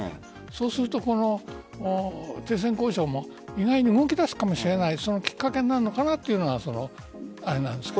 そうすると停戦交渉も意外に動き出すかもしれないきっかけになるのかなというのはあれなんです。